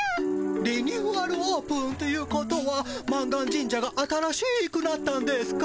リニューアルオープンということは満願神社が新しくなったんですか？